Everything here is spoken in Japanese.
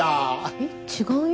えっ違うよ。